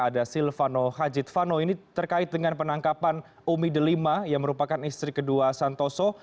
ada silvano hajitvano ini terkait dengan penangkapan umi delima yang merupakan istri kedua santoso